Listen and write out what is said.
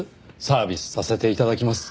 サービスさせて頂きます。